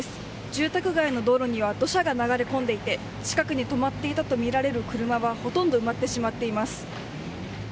住宅街の道路には土砂が流れ込んでいて近くに止まっていたとみられる車がほとんど埋まってしまっています。